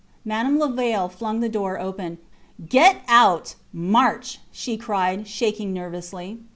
Madame Levaille flung the door open. Get out! March! she cried, shaking nervously.